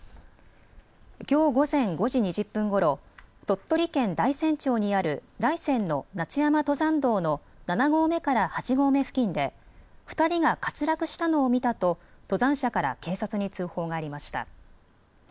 きょう午前５時２０分ごろ、鳥取県大山町にある大山の夏山登山道の７合目から８合目付近で２人が滑落したのを見たと登山者から警察に通報がありました。